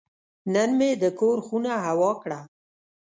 نن مې د کور خونه هوا کړه.